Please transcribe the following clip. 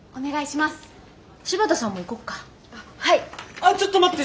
あちょっと待って。